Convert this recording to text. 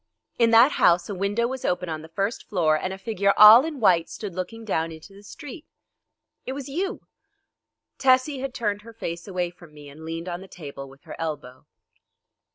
In that house a window was open on the first floor, and a figure all in white stood looking down into the street. It was you." Tessie had turned her face away from me and leaned on the table with her elbow.